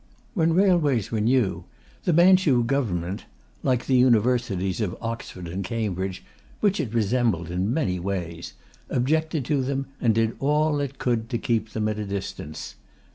When railways were new, the Manchu Government, like the universities of Oxford and Cambridge (which it resembled in many ways), objected to them, and did all it could to keep them at a distance.